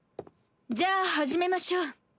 じゃあ始めましょう。